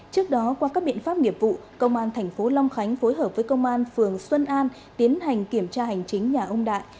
trước đó qua các biện pháp nghiệp vụ công an thành phố long khánh phối hợp với công an phường xuân an tiến hành kiểm tra hành chính nhà ông đại